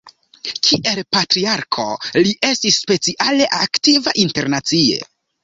Kiel patriarko li estis speciale aktiva internacie.